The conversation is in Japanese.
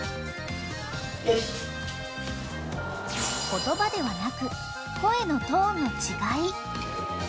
［言葉ではなく声のトーンの違い］